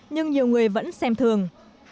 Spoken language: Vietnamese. nhưng nhiều người vẫn xem thường